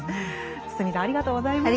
堤さんありがとうございました。